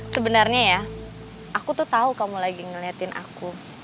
sebenarnya ya aku tuh tau kamu lagi ngelihatin aku